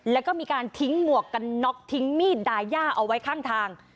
แล้วก็มีการทิ้งหมวกกันน็อกทิ้งมีดดาย่าเอาไว้ข้างทาง